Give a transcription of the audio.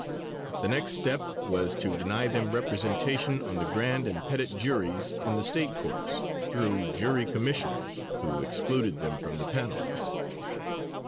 The next step was to deny them representation on the grand and petit juries in the State courts, through Jury Commissioners, who excluded them from the panels.